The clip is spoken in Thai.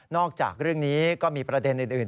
จากเรื่องนี้ก็มีประเด็นอื่น